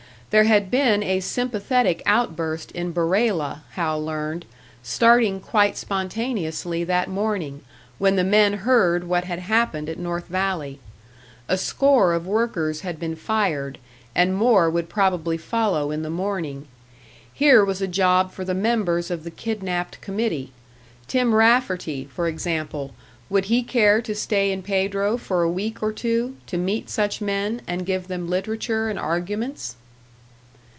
There had been a sympathetic outburst in Barela, Hal learned starting quite spontaneously that morning, when the men heard what had happened at North Valley. A score of workers had been fired, and more would probably follow in the morning. Here was a job for the members of the kidnapped committee; Tim Rafferty, for example would he care to stay in Pedro for a week or two, to meet such men, and give them literature and arguments?